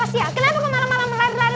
lah haikal mau kemana kau